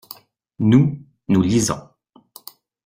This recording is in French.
Nous, nous lisons.